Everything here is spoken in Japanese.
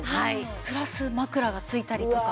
プラス枕が付いたりとか。